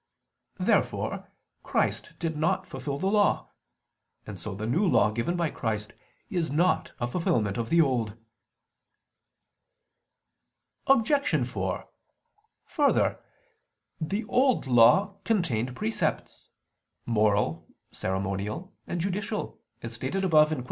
Therefore Christ did not fulfil the Law: and so the New Law given by Christ is not a fulfilment of the Old. Obj. 4: Further, the Old Law contained precepts, moral, ceremonial, and judicial, as stated above (Q.